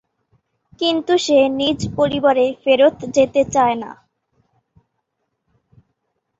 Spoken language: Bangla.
কিন্তু সে নিজ পরিবারে ফেরত যেতে চায় না।